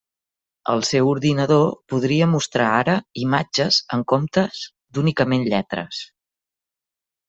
El seu ordinador podia mostrar ara imatges en comptes d'únicament lletres.